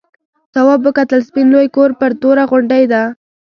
تواب وکتل سپین لوی کور پر توره غونډۍ و.